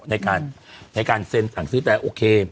ในการเซ็นสั่งซื้อแต่โอเค